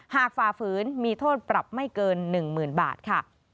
ฝ่าฝืนมีโทษปรับไม่เกิน๑๐๐๐บาทค่ะ